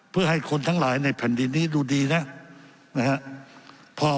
เพื่อให้คนทั้งหลายในแผ่นดินนี้ดูดีนะครับ